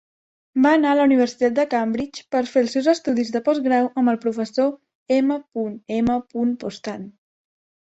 Va anar a la Universitat de Cambridge per fer els seus estudis de postgrau amb el professor M. M. Postan.